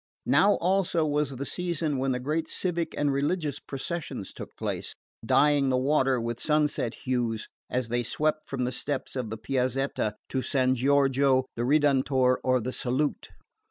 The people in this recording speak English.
Now also was the season when the great civic and religious processions took place, dyeing the water with sunset hues as they swept from the steps of the Piazzetta to San Giorgio, the Redentore or the Salute.